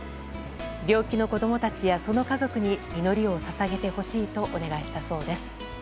病気の子供たちや、その家族に祈りを捧げてほしいとお願いしたそうです。